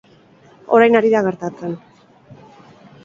Orain ari da gertatzen.